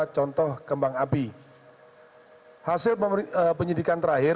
kami juga berkoristik dengan labor telah mencipta beberapa barang barang antara lain